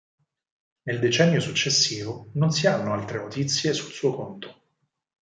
Nel decennio successivo non si hanno altre notizie sul suo conto.